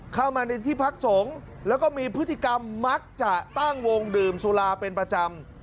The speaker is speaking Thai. เข้ามาในที่พักสงฆ์แล้วก็มีพฤติกรรมมักจะตั้งวงดื่มสุราเป็นประจำ